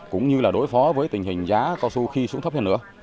cũng như là đối phó với tình hình giá cao su khi xuống thấp hơn nữa